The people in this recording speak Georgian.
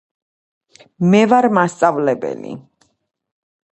მე ვარ მასწავლებელი